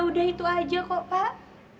udah itu aja kok pak